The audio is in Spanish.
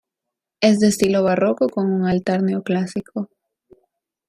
Es de estilo barroco con un altar neoclásico.